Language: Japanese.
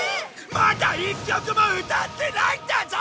まだ１曲も歌ってないんだぞ！